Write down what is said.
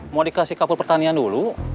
mau dikasih kapur pertanian dulu